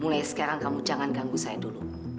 mulai sekarang kamu jangan ganggu saya dulu